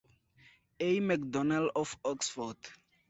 A. Macdonell of Oxford.